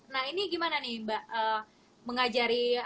nah ini gimana nih mbak mengajari